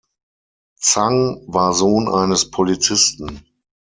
Tsang war Sohn eines Polizisten.